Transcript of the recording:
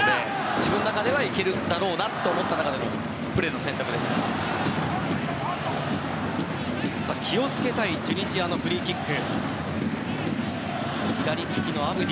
自分では行けると思った中での気を付けたいチュニジアのフリーキック。